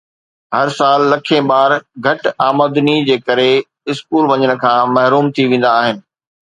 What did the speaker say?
هر سال لکين ٻار گهٽ آمدني جي ڪري اسڪول وڃڻ کان محروم ٿي ويندا آهن